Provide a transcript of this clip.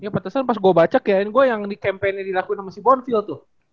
ya pantesan pas gue baca kayaknya gue yang campaignnya dilakuin sama si bonville tuh